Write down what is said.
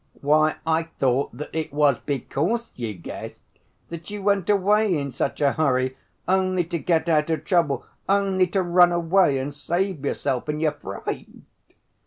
"Why, I thought that it was because you guessed, that you went away in such a hurry, only to get out of trouble, only to run away and save yourself in your fright."